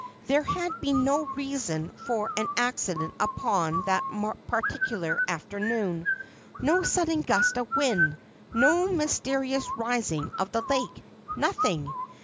There had been no reason for an accident upon that par ticular afternoon ; no sudden gust of wind ; no mysterious rising of the lake ; nothing.